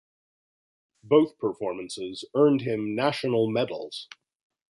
Both performances earned him national medals.